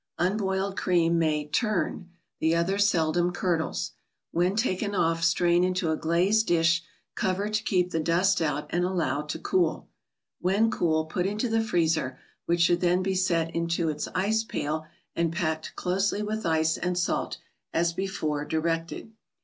Unboiled cream may "turn"; the other seldom curdles. When taken off, strain into a glazed dish, cover to keep the dust out, and allow to cool. When cool, put into the freezer, which should then be set into its ice pail and packed closely with ice and salt, as before directed.